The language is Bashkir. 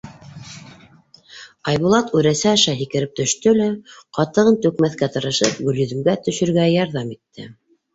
Айбулат үрәсә аша һикереп төштө лә, ҡатығын түкмәҫкә тырышып, Гөлйөҙөмгә төшөргә ярҙам итте.